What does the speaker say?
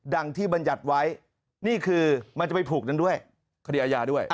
ดังที่บรรยัติไว้นี่คือมันจะผูกด้านด้วย